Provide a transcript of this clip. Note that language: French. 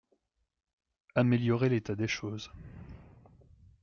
Améliorer l’état des choses.